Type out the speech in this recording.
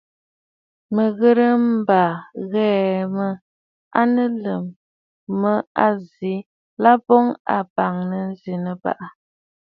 Mə̀ ghɨrə mbaaa ŋghə mə à nɨ Lum mə a zì, làʼ̀à boŋ a bàŋnə zi Nɨbàʼà.